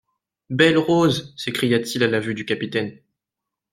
Belle-Rose ! s'écria-t-il à la vue du capitaine.